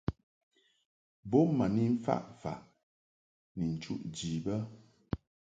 Bun ma ni mfaʼ faʼ ni nchuʼ ji bə.